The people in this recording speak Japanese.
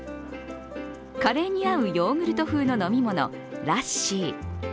カレーに合うヨーグルト風の飲み物・ラッシー。